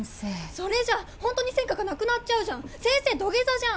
それじゃホントに専科がなくなっちゃうじゃん先生土下座じゃん